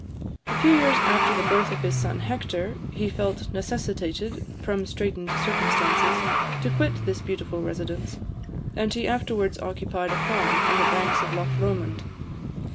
A few years after the birth of his son Hector, he felt necessitated, from straitened circumstances, to quit this beautiful residence; and he afterwards occupied a farm on the banks of Loch Lomond.